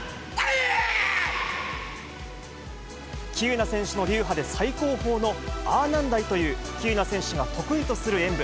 喜友名選手の流派で最高峰のアーナンダイという、喜友名選手が得意とする演武。